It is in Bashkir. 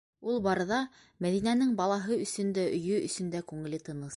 Ул барҙа Мәҙинәнең балаһы өсөн дә, өйө өсөн дә күңеле тыныс.